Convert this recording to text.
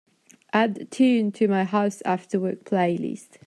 Add the tune to my House Afterwork playlist.